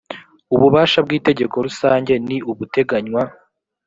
ububasha bw inteko rusange ni ubuteganywa